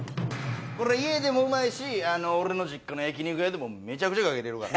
これ家でもうまいし俺の実家の焼肉屋でもめちゃくちゃかけてるから。